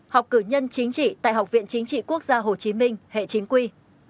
học cử nhân chính trị tại học viện chính trị quốc gia hồ chí minh hệ chính quy